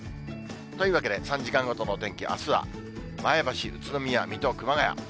というわけで、３時間ごとの天気、あすは、前橋、宇都宮、水戸、熊谷。